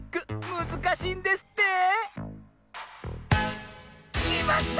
むずかしいんですってきまった！